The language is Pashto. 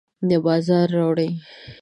د بازار راوړي